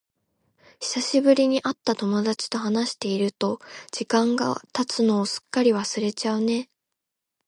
久しぶりに会った友達と話していると、時間が経つのをすっかり忘れちゃうね。